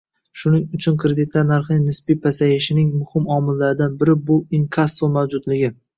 Shuning uchun kreditlar narxining nisbiy pasayishining muhim omillaridan biri bu inkasso mavjudligi